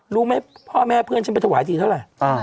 รู้ไหมพ่อแม่เพื่อนฉันไปถวายดีเท่าไหร่